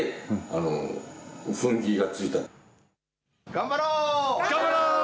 頑張ろう。